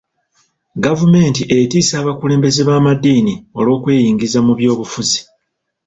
Gavumenti etiisa abakulembeze b'amadddiini olw'okwenyigiza mu byobufuzi.